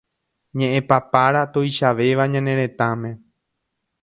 ñe'ẽpapára tuichavéva ñane retãme